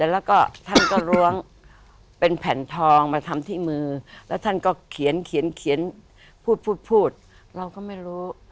แล้วก็ท่านก็ล้วงเป็นแผ่นทองมาทำที่มือแล้วท่านก็เขียนเขียนพูดพูดเราก็ไม่รู้